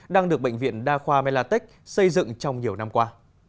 đang được bệnh viện đa khoa melatech xây dựng trong nhiều năm qua